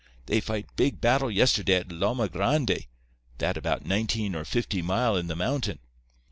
They fight big battle yesterday at Lomagrande—that about nineteen or fifty mile in the mountain.